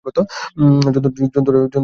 জন্তুটা নজরে পড়েছে।